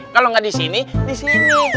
kalo gak disini disini